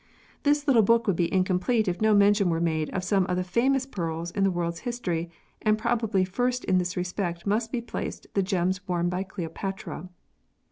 This little book would be incomplete if no mention were made of some of the famous pearls in the world's history, and probably first in this respect must be placed the gems worn by Cleopatra.